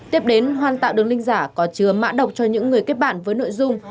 tiếp đến hoan tạo đường link giả có chứa mã đọc cho những người kết bạn với nội dung